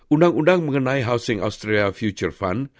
undang undang mengenai housing austria future fund